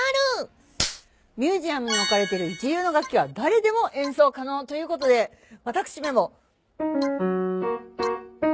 ミュージアムに置かれてる一流の楽器は誰でも演奏可能ということで私めも。